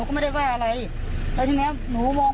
ก็คือเขาฟันคอหนูก่อน